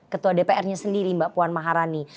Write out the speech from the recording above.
ketua dpr nya sendiri mbak puan maharani